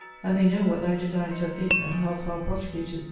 And they know what thy designs have been, and how far prosecuted.